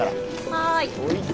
はい。